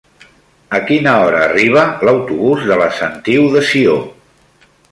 A quina hora arriba l'autobús de la Sentiu de Sió?